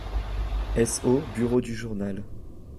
SO bureau du journal.